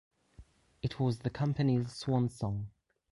It was the company's swan song.